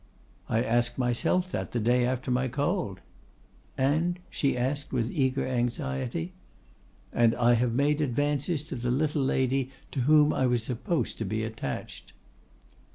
'—'I asked myself that the day after my cold.'—'And——?' she asked with eager anxiety.—'And I have made advances to the little lady to whom I was supposed to be attached.